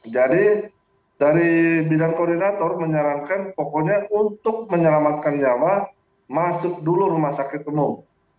jadi dari bidang koordinator menyarankan pokoknya untuk menyelamatkan nyawa masuk dulu rumah sakit penuh